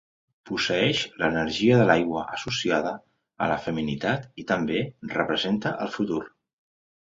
Posseeix l'energia de l'aigua associada a la feminitat i també representa el futur.